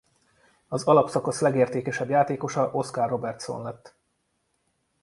Az alapszakasz legértékesebb játékosa Oscar Robertson lett.